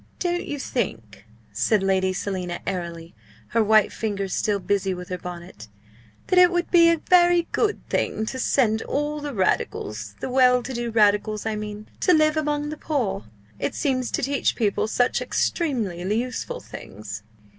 "Don't you think," said Lady Selina, airily, her white fingers still busy with her bonnet, "that it would be a very good thing to send all the Radicals the well to do Radicals I mean to live among the poor? It seems to teach people such extremely useful things!"